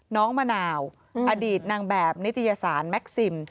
มะนาวอดีตนางแบบนิตยสารแม็กซิม